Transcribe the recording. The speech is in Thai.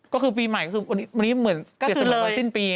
ก็คือปีใหม่คือวันนี้เหมือนเสร็จสิ้นเลยสิ้นปี